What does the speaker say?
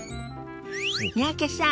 三宅さん